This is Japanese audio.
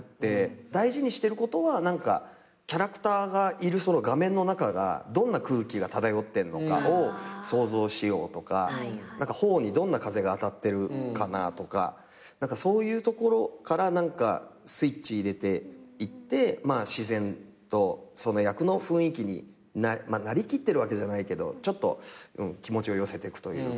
大事にしてることはキャラクターがいるその画面の中がどんな空気が漂ってんのかを想像しようとか頬にどんな風が当たってるかなとかそういうところからスイッチ入れていって自然とその役の雰囲気になりきってるわけじゃないけどちょっと気持ちを寄せていくというか。